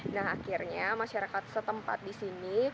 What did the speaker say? nah akhirnya masyarakat setempat di sini